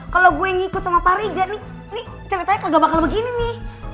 kalau gua ngikut sama pak rija nih ceritanya kagak bakal begini nih